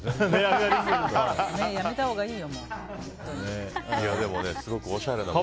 やめたほうがいいよ